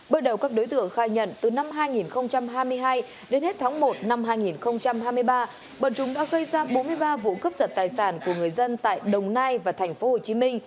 bước đầu các đối tượng khai nhận từ năm hai nghìn hai mươi hai đến hết tháng một năm hai nghìn hai mươi ba bọn chúng đã gây ra bốn mươi ba vụ cướp giật tài sản của người dân tại đồng nai và tp hcm